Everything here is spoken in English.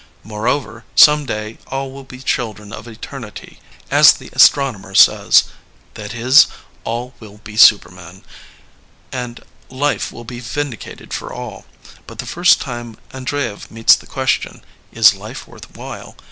Moreover, some day all will be children of eternity, as the astronomer says — ^that is, all will be supermen — and life will be vindicated for all. But the first time Andreyev meets the question, Is life worth while?